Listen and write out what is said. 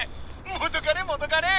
元カレ元カレ！